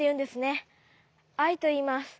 アイといいます。